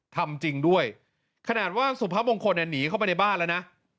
ทำจริงด้วยขนาดว่าสุพมงคลหนีเข้าไปในบ้านแล้วนะ